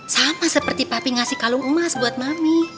sama seperti papi ngasih kalung emas buat mami